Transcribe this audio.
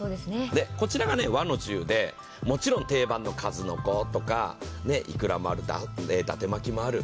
こちらが和の重で、もちろん定番の数の子とか、いくらもある、伊達巻もある。